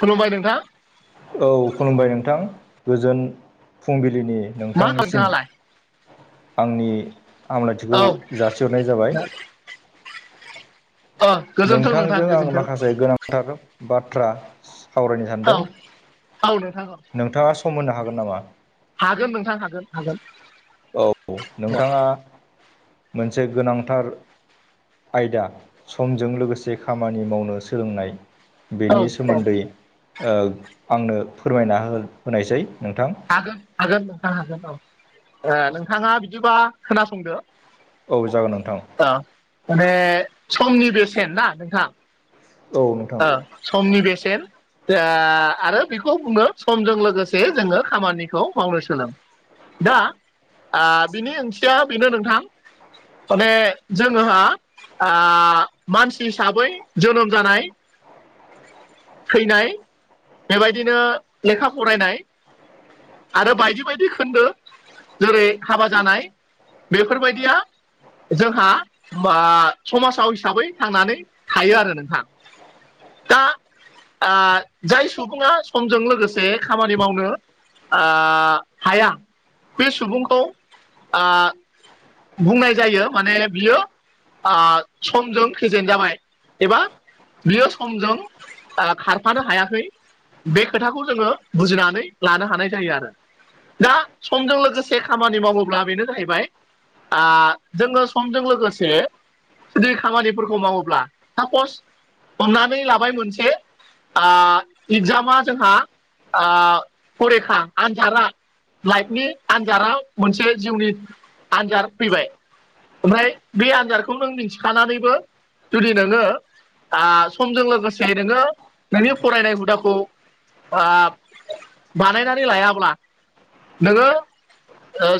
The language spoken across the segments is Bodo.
खुलुमबाय नोंथां। औ खुलुमबाय नोंथां गोजोन फुंबिलिनि मा खालामो नोंथांनिसिम नोंथाङालाय आंनि औ हामलायथिखौ जासिहरनाय जाबाय ओ गोजोन्थों नोंथां नोंथांजों आं गोजोन्थों माखासे गोनांथार बाथ्रा सावरायनो सानदों औ नोंथां औ। नोंथाङा सम होनो हागोन नामा? हागोन नोंथां हागोन हागोन। औ नोंथाङा मोनसे गोनांथार आयदा समजों लोगोसे खामानि मावनो सोलोंनाय औ बेनि सोमोन्दै ओ आंनो फोरमायना हो-होनायसै नोंथां। हागोन हागोन नोंथां हागोन औ। ओ नोंथाङा बिदिबा खोनासंदो। औ जागोन नोंथां। औ माने समनि बेसेन ना नोंथां औ नोंथां। ओ समनि बेसेन आ आरो बेखौ बुङो समजों लोगोसे जोङो खामानिखौ मावनो सोलों। दा आ बिनि ओंथिया बेनो नोंथां माने जोंहा आ मानसि हिसाबै जोनोम जानाय थैनाय बेबायदिनो लेखा फरायनाय आरो बायदि बायदि खोन्दो। जेरै हाबा जानाय बेफोरबायदिया जोंहा आ समाजाव हिसाबै थांनानै थायो आरो नोंथां। दा आ जाय सुबुङा समजों लोगोसे खामानि मावनो ओ हाया बे सुबुंखौ ओ बुंनाय जायो माने बियो आ समजों फेजेन जाबाय एबा बियो समजों आ खारफानो हायाखै। बे खोथाखौ जोङो बुजिनानै लानो हानाय जायो आरो। दा समजों लोगोसे खामानि मावोब्ला बेनो जाहैबाय आ जोङो समजों लोगोसे जुदि खामानिफोरखौ मावोब्ला सापस हमनानै लाबाय मोन से ओ इगजामा जोंहा आ फरेखा आनजारा लाइफनि आनजादा मोनसे जिउनि आनजाद फैबाय। ओमफ्राय बे आनजादखौ नों मिन्थिखानानैबो जुदि नोङो समजों लोगोसे नोङो नोंनि फरायनाय हुदाखौ बानायनानै लायाब्ला नोङो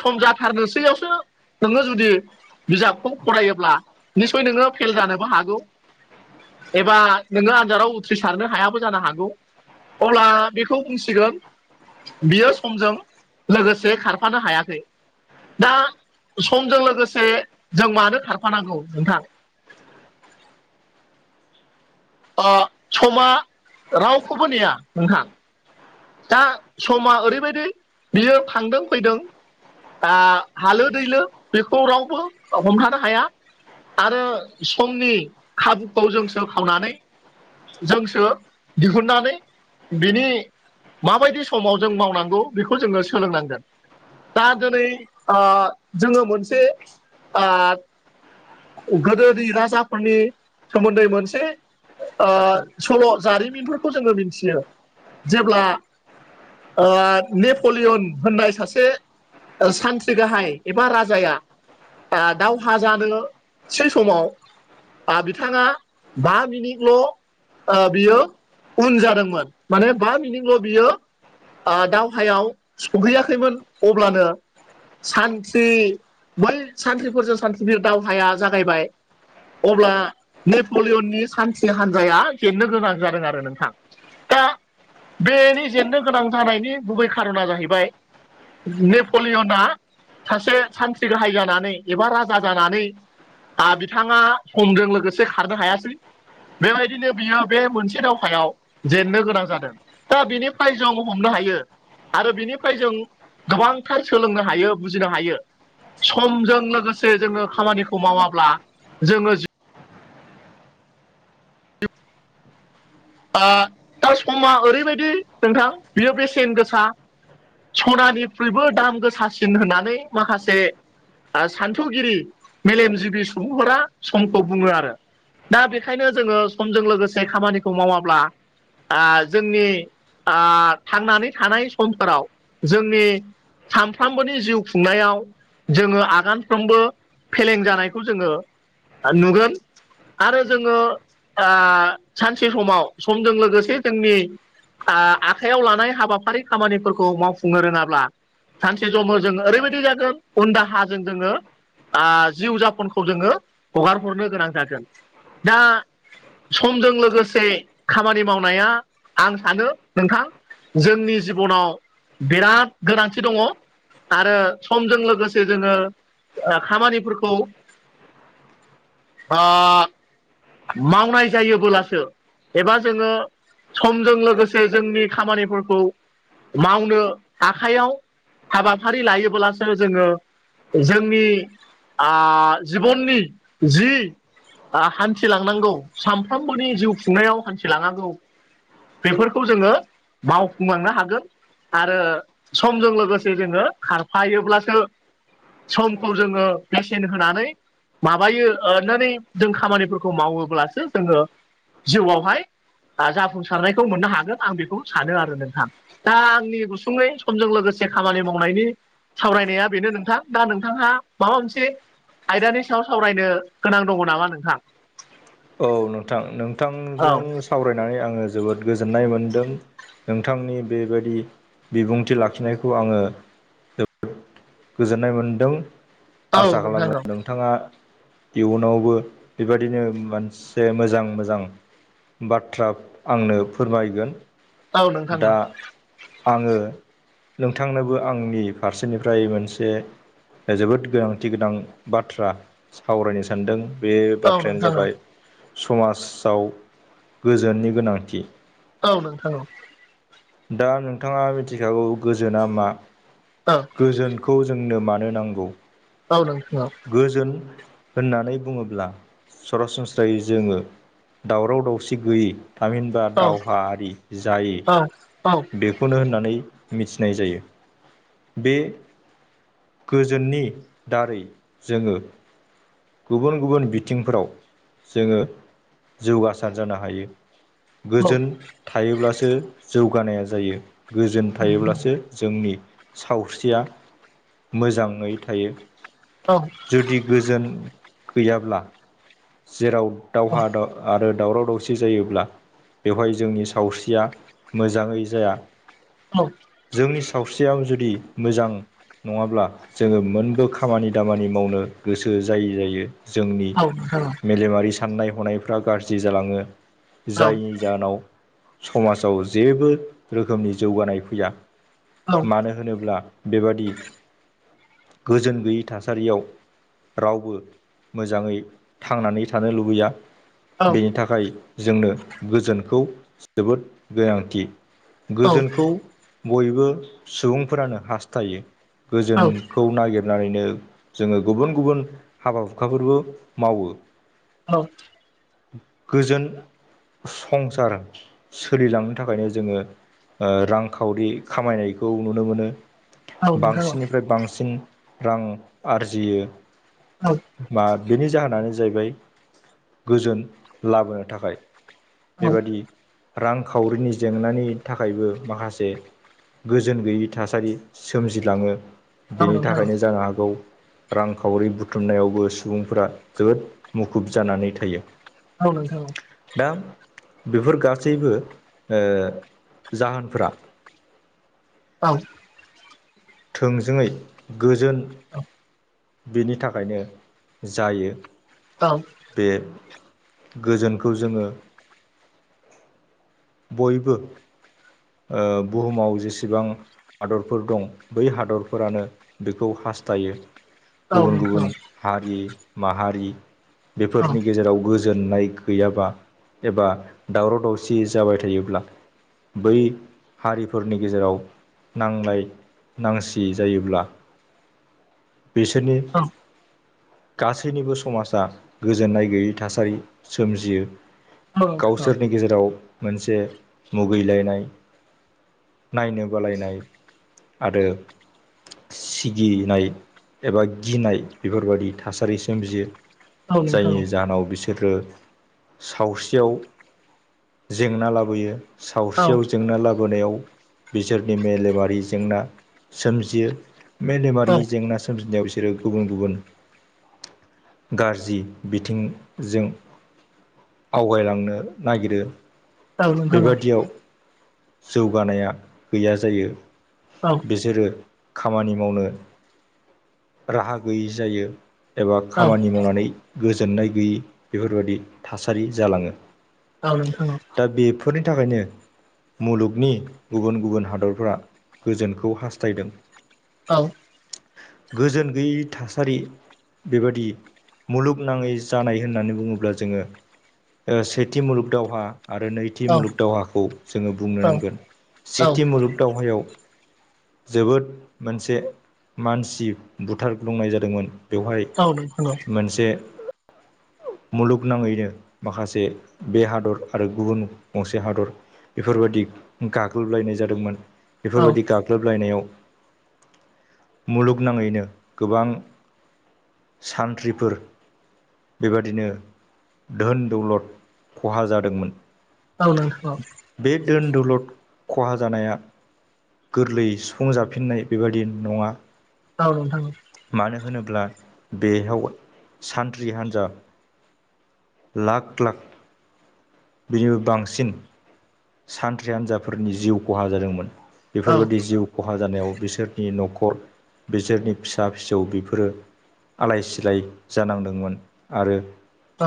सम जाथारनोसैयावसो नोङो जुदि बिजाबखौ फरायोब्ला निस्सय नोङो फेल जानोबो हागौ एबा नोङो आनजादाव उथ्रिसारनो हायाबो जानो हागौ। अब्ला बेखौ बुंसिगोन बियो समजों लोगोसे खारफानो हायाखै। दा समजों लोगोसे जों मानो खारफानांगौ नोंथां? अ समा रावखौबो नेया नोंथां। दा समा ओरैबायदि बियो थांदों फैदों। हालो दैलो बेखौ रावबो हमथानो हाया। आरो समनि खाबुखौ जोंसो खावनानै जोंसो दिहुननानै बिनि माबायदि समाव जों मावनांगौ बेखौ जोङो सोलोंनांगोन। दा दोनै आ जोङो मोनसे आ गोदोनि राजाफोरनि सोमोन्दै मोनसे सल' जारिमिनफोरखौ जोङो मिनथियो जेब्ला नेपलियन होननाय सासे सान्त्रि गाहाय एबा राजाया दावहा जानोसै समाव बिथाङा बा मिनिटल' बियो उन जादोंमोन माने बा मिनिट ल' बियो दावहायाव सहैयाखैमोन अब्लानो सान्थ्रि बै सान्थ्रिफोरजों सान्थ्रिफोर दावहाया जागायबाय। अब्ला नेपलियननि सान्थ्रि हान्जाया जेननो गोनां जादों आरो नोंथां। दा बेनि जेननो गोनां जानायनि गुबै खार'ना जाहैबाय नेपलियना सासे सान्थ्रि गाहाय जानानै एबा राजा जानानै बिथाङा समजों लोगोसे खारनो हायासै। बेबायदिनो बियो बे मोनसे दावहायाव जेननो गोनां जादों। दा बेनिफ्राय जों हमनो हायो। आरो बिनिफ्राय जों गोबांथार सोलोंनो हायो, बुजिनो हायो। समजों लोगोसे जोङो खामानिखौ मावाब्ला जोङो [inaudible] दा समा ओरैबायदि नोंथां बियो बेसेन गोसा। सनानिख्रुइबो दाम गोसासिन होननानै माखासे सान्थौगिरि मेलेमजिबि सुबुंफोरा समखौ बुङो आरो। दा बेखायनो जोङो समजों लोगोसे खामानिखौ मावाब्ला जोंनि थांनानै थानाय समफोराव जोंनि सामफ्रामबोनि जिउ खुंनायाव जोङो आगानफ्रोमबो फेलें जानायखौ जोङो नुगोन। आरो जोङो सानसे समाव समजों लोगोसे जोंनि आखाइयाव लानाय हाबाफारि खामानिफोरखौ मावफुंनो रोङाब्ला सानसे जमो जोङो ओरैबायदि जागोन उन्दाहाजों जोङो जिउ जाफनखौ जोङो हगार हरनो गोनां जागोन। दा समजों लोगोसे खामानि मावनाया आं सानो नोंथां जोंनि जिबनाव बिराद गोनांथि दङ। आरो समजों लोगोसे जोङो खामानिफोरखौ [inaudible] मावनाय जायोबोलासो एबा जोङो समजों लोगोसे जोंनि खामानिफोरखौ मावनो आखाइयाव हाबाफारि लायोब्लासो जोङो जोंनि जिबननि जि ओ हान्थिलांनांगौ सानफ्रोमबोनि जिउ खुंनायाव हान्थिलांनांगौ बेफोरखौ जोङो मावफुंलांनो हागोन आरो समजों लोगोसे जोङो खारफायोब्लासो समखौ जोङो बेसेन होनानै माबायो नानै जों खामानिफोरखौ खौ मावोब्लासो जोङो जिउआवहाय जाफुंसारनायखौ मोननो हागोन आं बेखौ सानो आरो नोंथां दा आंनि गुसुङै समजों लोगोसे खामानि मावनायनि सावरायनाया बेनो नोंथां दा नोंथाङा माबा मोनसे आयदानि साव सावरायनो गोनां दङ नामा नोंहा औ नोंथां औ नोंथांजों सावरायनानै आङो जोबोद गोजोननाय मोनदों नोंथांनि बेबायाददि बिबुंथि लाखिनायखौ आङो गोजोननाय मोनदों औ आसा नोंथां खालामो औ नोंथाङा इयुनावबो बेबदिनो मोनसे मोजां मोजां बाथ्रा आंनो फोरमायगोन औ नोंथां औ दा आङो नोंथांनोबो आंनि फारसेनिफ्राय मोनसे जोबोद गोनांथि गोनां बाथ्रा सावरायनो सानदों बे औ बाथ्रायानो नोंथां जाबाय समाजाव गोजोननि गोनांथि औ नों औ दा नोंथाङा मिथिखागौ गोजोना मा अ गोजोनखौ जोंनो मानो नांगौ औ नोंथां औ गोजोन होननानै बुङोब्ला सरासनस्रायै जोङो दावराव दावसि गैयै तामिन औ दावहारि जायो औ औ बे खौनो होननानै मिथिनाय जायो बे गोजोननि दारै जोङो गुबुन गुबुन बिथिंफोराव जोङो जौगासार जानो हायो औ नोंथां औ नोंथां औ नोंथां गोजोन थायोब्लासो जौगानाया जायो। गोजोन थायोब्लासो जोंनि सावस्रिया मोजाङै थायो। औ। जुदि गोजोन गैयाब्ला जेराव दावहा द आरो दावराव दावसि जायोब्ला बेवहाय जोंनि सावस्रिया मोजाङै जाया। औ। जोंनि सावस्रियाव जुदि मोजां नङाब्ला जोङो मोनबो खामानि दामानि मावनो गोसो जायै जायो। जोंनि औ मेलेमारि साननाय हनायफ्रा गाज्रि जालाङो जायनि जाहोनाव समाजाव जेबो रोखोमनि जौगानाय फैया। मानो होनोब्ला बेबादि गोजोन गैयै थासारियाव रावबो मोजाङै थांनानै थानो लुबैया बेनि थाखाय जोंनो गोजोनखौ जोबोद गोनांथि गोजोनखौ बयबो सुबुंफोरानो हास्थायो गोजोनखौ खौ नागिरनानैनो जोङो गुबुन गुबुन हाबा हुखाफोरबो मावो। औ। गोजोन संसार सोलिलांनो थाखायनो जोङो रांखावरि खामायनायखौ नुनो मोनो। बांसिननिफ्राय बांसिन रां आरजियो। औ। मा बेनि जाहोनानो जाहैबाय गोजोन लाबोनो थाखाय। बेबादि रांखावरिनि जेंनानि थाखायबो माखासे गोजोन गैयै थासारि सोमजिलाङो। बेनि थाखायनो जानो हागौ रांखावरि बुथ थुमनायावबो सुबुंफोरा जोबोद मुखुब जानानै थायो। औ नोंथां औ। दा बेफोर गासैबो ओ जाहोनफोरा औ। थोंजोङै गोजोन [unintelligible] बिनि थाखायनो जायो। औ। बे गोजोनखौ जोङो बयबो ओ बुहुमाव जेसेबां हादरफोर दं बै हादरफोरानो बेखौ हास्थायो। औ गुबुन गुबुन नोंथां हारि माहारि औ बेफोरनि गेजेराव गोज जोननाय गैयाबा एबा दावराव दावसि जाबाय थायोब्ला बै हारिफोरनि गेजेराव नांलाय नांसि जायोब्ला [inaudible] बेसोरनि औ गासैनिबो समाजा गोजोननाय गैयै थासारि सोमजियो। औ नोंथां औ गावसोरनि गेजेराव मोनसे मुगैलायनाय नायनो बालायनाय आरो सिगिनाय एबा गिनाय बेफोरबायदि थासारि सोमजियो। नोंथां जायनि जाहोनाव बिसोरो सावस्रियाव जेंना लाबोयो औ सावस्रियाव जेंना लाबोनायाव बिसोरनि मेलेमारि जेंना सोमजियो। मेलेमारि जेंना सोमजिनायाव बिसोरो गुबुन गुबुन गाज्रि बिथिंजों आवगायलांनो नागिरो औ नोंथां औ। बेबादियाव जौगानाया गैया जायो। औ बिसोरो खामानि मावनो राहा गैयि जायो एबा औ खामानि मावनानै गोजोननाय गैयि बेफोरबादि थासारि जालाङो। औ नोंथां औ। दा बेफोरनि थाखायनो मुलुगनि गुबुन गुबुन हादरफोरा गोजोनखौ हास्थायदों। औ गोजोन गैयि थासारि बेबादि मुलुगनाङै जानाय होननानै बुङोब्ला जोङो ओ सेथि मुलुग दावहा आरो नै थि मुलुग दावहाखौ जोङो बुंनो नांगोन सेथि मुलुग दावहायाव जोबोद मोनसे मानसि बुथारग्लुंनाय जादोंमोन औ बेवहाय नोंथां औ नोंथां औ नोंथां औ नोंथां मोनसे मुलुगनाङैनो माखासे बे हादर आरो गुबुन गंसे हादर बेफोरबादि गाग्लोबलायनाय जादोंमोन। औ बेफोरबायदि गाग्लोबलायनायाव मुलुगनाङैनो गोबां सानथ्रिफोर बेबादिनो धोन दौलद खहा जादोंमोन। औ नोंथां औ। बे दोन दौलद खहा जानाया गोरलै सुफुंजफिननाय बेबायदि नङा औ नोंथां औ। मानो होनोब्ला बेयाव सानथ्रि हान्जा लाख लाख बिनिबो बांसिन सानथ्रि हान्जाफोरनि जिउ खहा जादोंमोन बेफोरबायदि जिउ खहा जानायाव बिसोरनि न'खर बिसोरनि फिसा फिसौ बेफोरो आलाय सिलाय जानांदोंमोन आरो औ।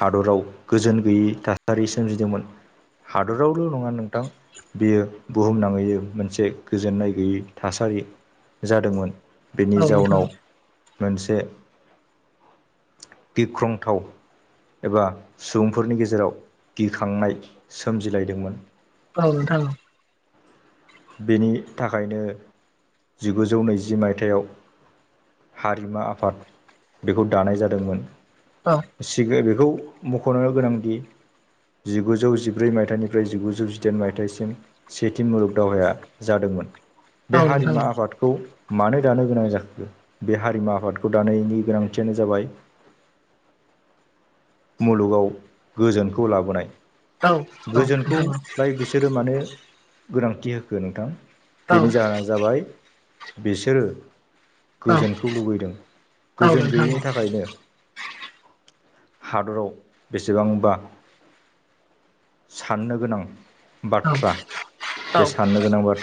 हादराव गोजोन गैयि थासारि सोमजिदोंमोन। हादरावल' नङा नोंथां बेयो बुहुमनाङैनो मोनसे गोजोननाय गैयै थासारि जादोंमोन। बेनि जाउनाव मोनसे गिख्रंथाव एबा सुबुंफोरनि गेजेराव गिखांनाय सोमजिलायदोंमोन। औ नोंथां। बेनि थाखायनो जिगुजौ नैजि मायथायाव हारिमु आफाद बेखौ दानाय जादोंमोन। औ। सिग बेखौ मख'नो गोनांदि जिगुजौ जिब्रै मायथाइनिफ्राय जिगुजौ जिदाइन मायथाइसिम सेथि मुलुग दावहाया जादोंमोन बे हारिमु आफादखौ खौ मानो दानो गोनां जाखो बे हारिमु आफादखौ दानायनि गोनांथियानो जाबाय मुलुगाव गोजोनखौ लाबोनाय गोजोनखौलाय बिसोर धोरोमानो गोनांथि होखो नोंथां बेनि जाहोना जाबाय बिसोरो गोजोनखौ लुबैदों गोजोन गैयैनि थाखायनो हादराव बेसेबांबा साननो गोनां बाथ्रा औ बे साननो गोनां बाथ्रा